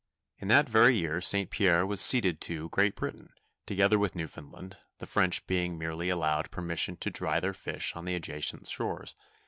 In that very year St. Pierre was ceded to Great Britain, together with Newfoundland, the French being merely allowed permission to dry their fish on the adjacent shores.